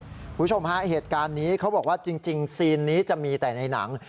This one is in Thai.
คุณผู้ชมฮะเหตุการณ์นี้เขาบอกว่าจริงซีนนี้จะมีแต่ในหนัง